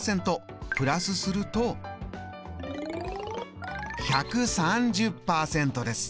プラスすると１３０％です。